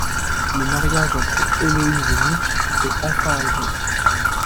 Le mariage entre Héloïse et Mitch est enfin arrivé.